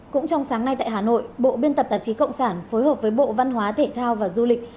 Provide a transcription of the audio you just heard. cũng trong sáng nay tại hà nội bộ biên tập tạp chí cộng sản phối hợp với bộ văn hóa thể thao và du lịch